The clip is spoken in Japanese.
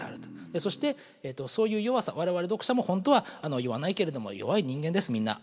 そしてそういう弱さ我々読者も本当は言わないけれども弱い人間ですみんな。